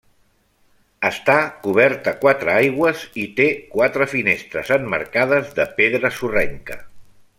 Està cobert a quatre aigües i té quatre finestres emmarcades de pedra sorrenca.